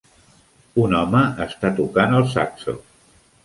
Un home està tocant el saxo.